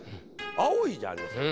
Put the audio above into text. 青いじゃありませんか。